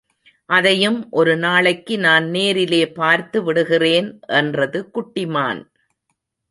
அதையும் ஒரு நாளைக்கு நான் நேரிலே பார்த்து விடுகிறேன் என்றது குட்டி மான்.